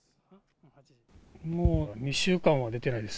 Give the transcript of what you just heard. もう２週間は出てないです。